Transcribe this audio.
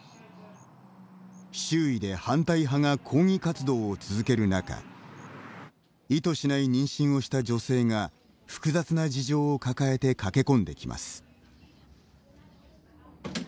周囲で反対派が抗議活動を続ける中意図しない妊娠をした女性が複雑な事情を抱えて駆け込んできます。